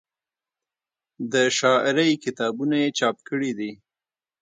د شاعرۍ کتابونه یې چاپ کړي دي